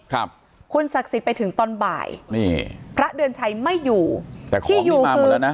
ครับคุณศักดิ์สิทธิ์ไปถึงตอนบ่ายนี่พระเดือนชัยไม่อยู่แต่คู่นี้มาหมดแล้วนะ